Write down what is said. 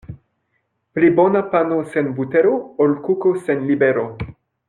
Pli bona pano sen butero, ol kuko sen libero.